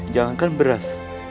jangan kan beras